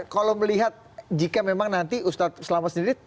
kalau melihat jika memang nanti ustadz selamat sendiri